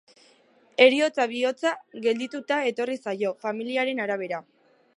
Heriotza bihotza geldituta etorri zaio, familiaren arabera.